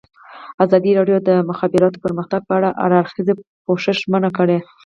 ازادي راډیو د د مخابراتو پرمختګ په اړه د هر اړخیز پوښښ ژمنه کړې.